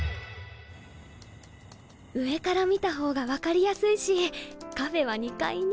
上から見た方が分かりやすいしカフェは２階に。